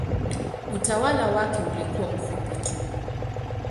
Utawala wake ulikuwa mfupi tu.